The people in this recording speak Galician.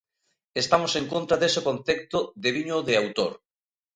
Estamos en contra dese concepto de viño de autor.